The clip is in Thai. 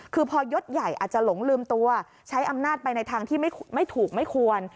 คือพอยศใหญ่อาจจะหลงลืมตัวใช้อำนาจไปในทางที่ไม่ถูกไม่ควร